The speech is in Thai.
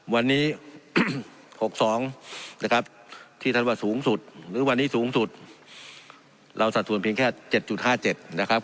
วันนี้๖๒นะครับที่ท่านว่าสูงสุดหรือวันนี้สูงสุดเราสัดส่วนเพียงแค่๗๕๗นะครับ